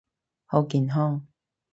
好健康！